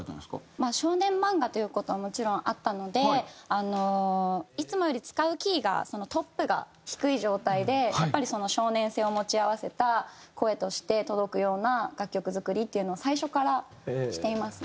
まあ少年漫画という事はもちろんあったのであのいつもより使うキーがそのトップが低い状態でやっぱりその少年性を持ち合わせた声として届くような楽曲作りっていうのを最初からしていますね。